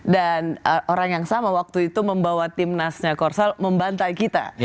dan orang yang sama waktu itu membawa tim nasnya korsel membantai kita